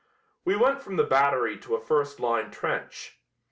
We went from the battery to a first line trench.